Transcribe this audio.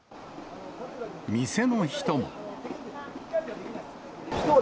店の人は。